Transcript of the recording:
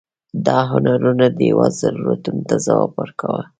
دا هنرونه د هېواد ضرورتونو ته ځواب ورکاوه.